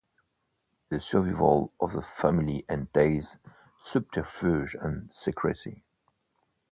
The survival of the family entails subterfuge and secrecy.